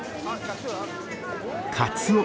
カツオ。